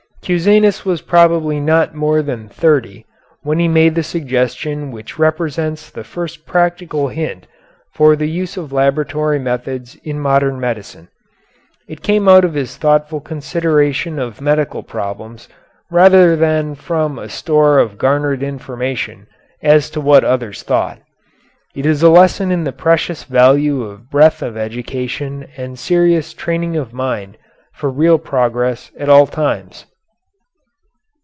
Cusanus was probably not more than thirty when he made the suggestion which represents the first practical hint for the use of laboratory methods in modern medicine. It came out of his thoughtful consideration of medical problems rather than from a store of garnered information as to what others thought. It is a lesson in the precious value of breadth of education and serious training of mind for real progress at all times.